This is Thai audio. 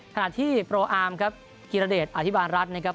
ขณะที่โปรอาร์มครับกิรเดชอธิบาลรัฐนะครับ